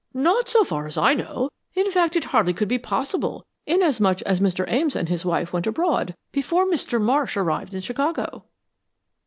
"Not so far as I know. In fact, it hardly could be possible, inasmuch as Mr. Ames and his wife went abroad before Mr. Marsh arrived in Chicago."